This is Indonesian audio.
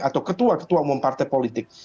atau ketua ketua umum partai politik